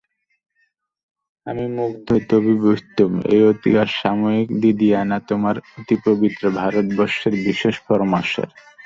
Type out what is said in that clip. আমি মুগ্ধ তবু বুঝতুম এই অতি অমায়িক দিদিয়ানা তোমার অতি পবিত্র ভারতবর্ষের বিশেষ ফরমাশের।